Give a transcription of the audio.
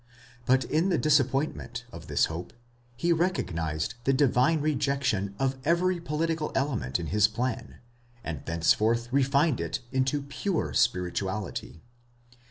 But in the disappointment of this hope, he recognised the divine rejection of every political element in his plan, and thenceforth refined it into pure spirituality.